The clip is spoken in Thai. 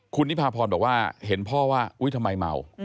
คุณนิพาพรบอกว่าเห็นพ่อว่าอุ๊ยทำไมเมา